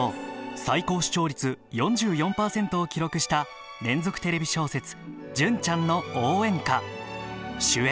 最高視聴率４４％を記録した連続テレビ小説「純ちゃんの応援歌」